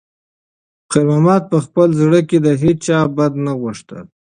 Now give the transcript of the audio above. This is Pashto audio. خیر محمد په خپل زړه کې د هیچا بد نه غوښتل.